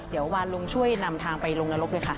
เดี๋ยววานลุงช่วยนำทางไปลงนรกด้วยค่ะ